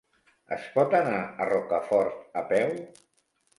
Es pot anar a Rocafort a peu?